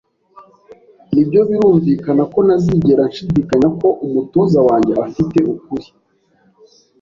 Nibyo, birumvikana ko ntazigera nshidikanya ko umutoza wanjye afite ukuri.